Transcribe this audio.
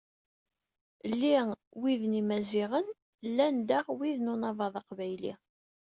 Ll wid n Yimaziɣen llan diɣ wid n Unabaḍ Aqbayli.